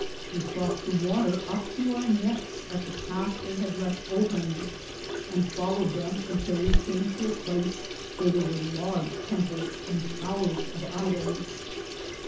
" We crossed the water up to our necks at the pass they had left open, and followed them until we came to a place where were large temples and towers of idols."